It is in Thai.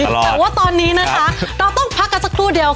แต่ว่าตอนนี้นะคะเราต้องพักกันสักครู่เดียวค่ะ